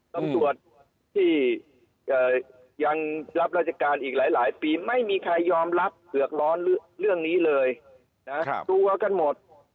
ตำรวจที่ยังรับราชการอีกหลายปีไม่มีใครยอมรับเผือกร้อนเรื่องนี้เลยนะดูเอากันหมด